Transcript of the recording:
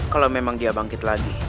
kalau memang dia bangkit lagi